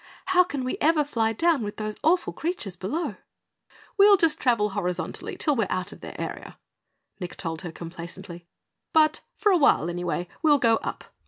"How can we ever fly down with those awful creatures below?" "We'll just travel horizontally till we are out of their area," Nick told her, complacently. "But for a while, anyway, we'll go up.